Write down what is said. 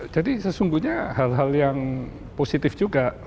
sesungguhnya hal hal yang positif juga